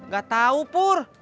gak tau pur